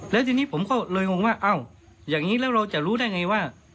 แล้วทีนี้ผมก็เลยงงว่าอ้าวอย่างนี้แล้วเราจะรู้ได้ไงว่า